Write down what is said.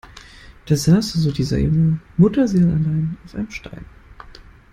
Da saß also dieser Junge mutterseelenallein auf einem Stein.